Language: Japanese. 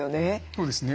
そうですね。